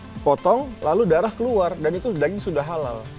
ya allah potong lalu darah keluar dan itu daging sudah halal